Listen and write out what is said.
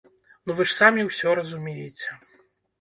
Ну вы ж самі ўсё разумееце.